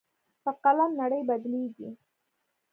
په قلم نړۍ بدلېږي.